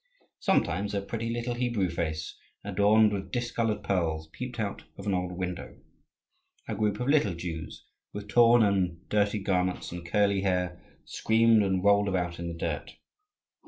Sometimes a pretty little Hebrew face, adorned with discoloured pearls, peeped out of an old window. A group of little Jews, with torn and dirty garments and curly hair, screamed and rolled about in the dirt.